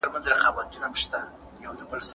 په خپل محیط کي بدلون راولئ.